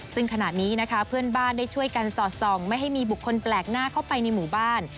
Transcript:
ซึ่งขณะนี้นะคะเพื่อนบ้านได้ช่วยกันสอดส่องไม่ให้มีบุคคลแปลกหน้าเข้าไปในหมู่บ้าน